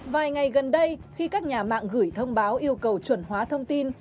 vài ngày gần đây khi các nhà mạng gửi thông báo yêu cầu chuẩn hóa thông tin